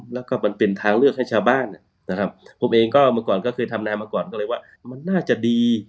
แล้วก็มันเป็นทางเลือกให้ชาวบ้านนะครับผมเองก็เมื่อก่อนก็เคยทำนายมาก่อนก็เลยว่ามันน่าจะดี